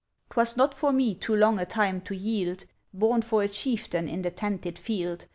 'Twas not for me, too long a time to yield! Born for a chieftain in the tented field!